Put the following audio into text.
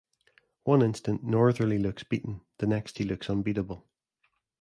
One instant Northerly looks beaten, the next he looks unbeatable.